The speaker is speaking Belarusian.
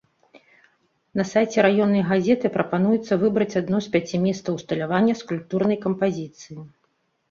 На сайце раённай газеты прапануецца выбраць адно з пяці месцаў усталявання скульптурнай кампазіцыі.